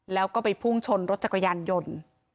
แล้วก็ไปพุ่งชนรถจักรยานยนต์